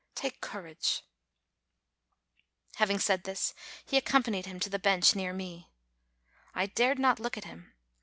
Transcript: Take courage !" Having said this, he accompanied him to the bench 236 APRIL near me. I dared not look at him.